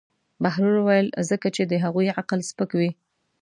بهلول وویل: ځکه چې د هغوی عقل سپک وي.